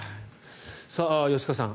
吉川さん